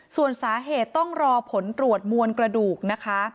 ส่วนสาเหตุต้องรอผลตรวจมวลกระดูกนะคะ